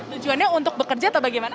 tujuannya untuk bekerja atau bagaimana